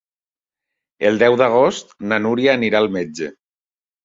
El deu d'agost na Núria anirà al metge.